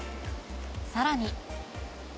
さらに。